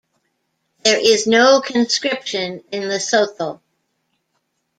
There is no conscription in Lesotho.